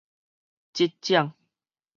職掌